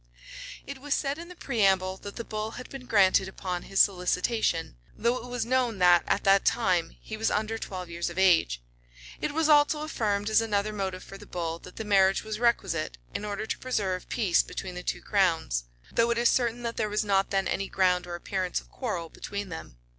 It was said in the preamble, that the bull had been granted upon his solicitation; though it was known that, at that time, he was under twelve years of age; it was also affirmed, as another motive for the bull, that the marriage was requisite, in order to preserve peace between the two crowns; though it is certain that there was not then any ground or appearance of quarrel between them.